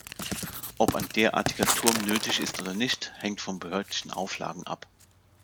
Ob ein derartiger Turm nötig ist oder nicht, hängt von behördlichen Auflagen ab.